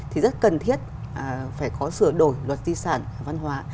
thì rất cần thiết phải có sửa đổi luật di sản văn hóa